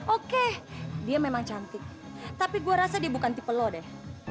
oke dia memang cantik tapi gue rasa dia bukan tipe lo deh